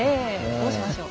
そうしましょう。